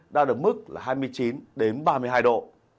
đã được mức hai mươi chín ba mươi hai độ